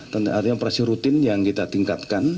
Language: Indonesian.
tentu ada operasi rutin yang kita tingkatkan